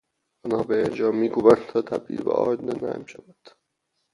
آنها برنج را میکوبند تا تبدیل به آرد نرم شود.